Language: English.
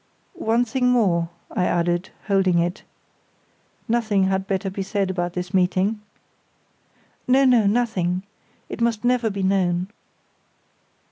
"One thing more," I added, holding it, "nothing had better be said about this meeting?" "No, no, nothing. It must never be known."